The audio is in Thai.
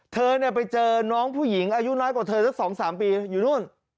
เธอไปเจอน้องผู้หญิงอายุน้อยกว่าเธอสัก๒๓ปีอยู่นู่น